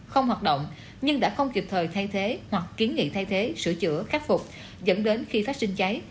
không hoạt động nhưng đã không kịp thời thay thế hoặc kiến nghị thay thế sửa chữa khắc phục dẫn đến khi phát sinh cháy